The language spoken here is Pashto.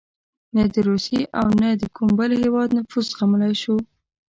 نه د روسیې او نه د کوم بل هېواد نفوذ زغملای شو.